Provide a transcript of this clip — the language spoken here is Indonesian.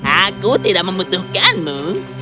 aku tidak membutuhkanmu